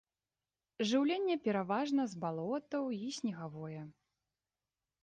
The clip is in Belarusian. Жыўленне пераважна з балотаў і снегавое.